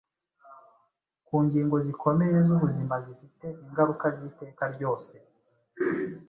ku ngingo zikomeye z’ubuzima zifite ingaruka z’iteka ryose,